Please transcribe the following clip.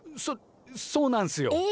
そそうなんすよ。